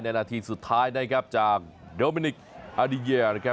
ในนาทีสุดท้ายนะครับจากโดมินิคอาดีเยียร